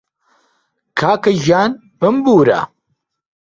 کاکەگیان بمبوورە